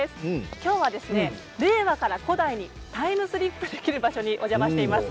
今日は令和から古代にタイムスリップできる場所にお邪魔しています。